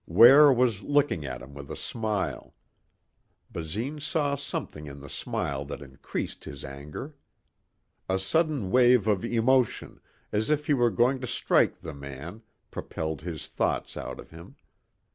Ware was looking at him with a smile. Basine saw something in the smile that increased his anger. A sudden wave of emotion, as if he were going to strike the man, propelled his thoughts out of him.